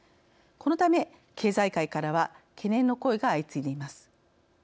このため経済界からは懸念の声が相次いでいます。